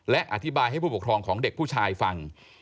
และอธิบายให้ผู้ปกครองของเด็กผู้ชายฟัง